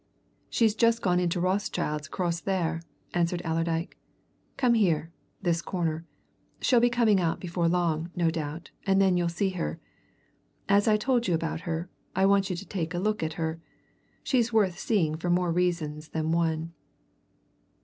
"She's just gone into Rothschild's across there," answered Allerdyke. "Come here, this corner; she'll be coming out before long, no doubt, and then you'll see her. As I told you about her, I want you to take a look at her she's worth seeing for more reasons than one."